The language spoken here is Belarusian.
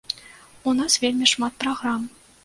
У нас вельмі шмат праграм.